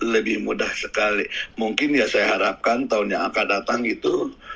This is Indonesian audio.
lebih mudah sekali mungkin ya saya harapkan tahun yang akan datang itu